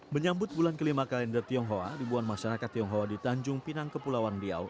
menyambut bulan kelima kalender tionghoa ribuan masyarakat tionghoa di tanjung pinang kepulauan riau